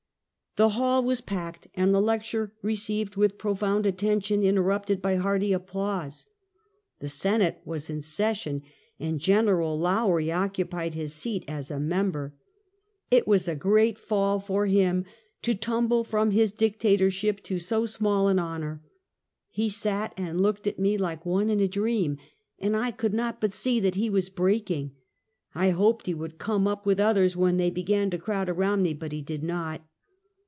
The hall was packed and the lecture received with profound attention, interrupted by hearty applause. The Senate was in session, and Gen. Lowrie occu pied his seat as a member. It was a great fall for him to tumble from liis dictatorship to so small an honor. He sat and looked at me like one in a dream, and I could not but see that he was breaking. I hoped he would come up with others when they began to crowd around me, but he did not.